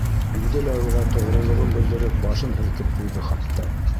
Үҙе лә уға тоғролоғон белдереп башын һелкеп ҡуйҙы хатта.